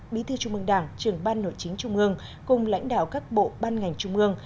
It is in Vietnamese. bí thư trung mương đảng trưởng ban nội chính trung ương cùng lãnh đạo các bộ ban ngành trung ương